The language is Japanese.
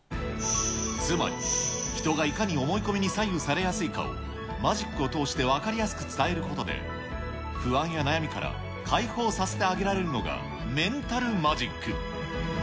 つまり、人がいかに思い込みに左右されやすいかを、マジックを通して分かりやすく伝えることで、不安や悩みから解放させてあげられるのが、メンタルマジック。